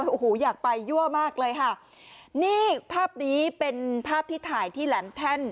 โอ้โหอยากไปยั่วมากเลยค่ะนี่ภาพนี้เป็นภาพที่ถ่ายที่แหลมแท่น